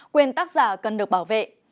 quyền tác giả cần được bảo vệ